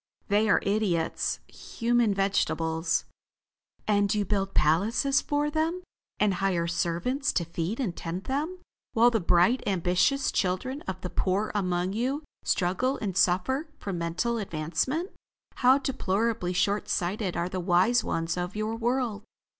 "They are idiots; human vegetables." "And you build palaces for them, and hire servants to feed and tend them, while the bright, ambitious children of the poor among you, struggle and suffer for mental advancement. How deplorably short sighted are the wise ones of your world.